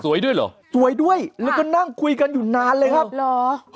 ด้วยเหรอสวยด้วยแล้วก็นั่งคุยกันอยู่นานเลยครับเหรอ